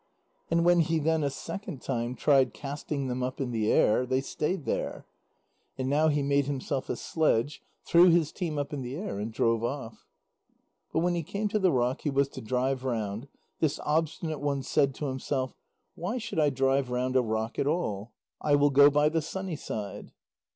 And when he then a second time tried casting them up in the air, they stayed there. And now he made himself a sledge, threw his team up in the air, and drove off. But when he came to the rock he was to drive round, this Obstinate One said to himself: "Why should I drive round a rock at all? I will go by the sunny side."